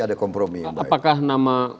ada kompromi apakah nama